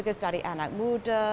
karena dari anak muda